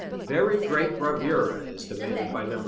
Very great bravura is demanded by Nos.